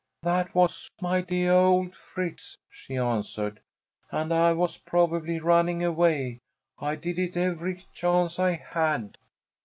"That was my deah old Fritz," she answered, "and I was probably running away. I did it every chance I had."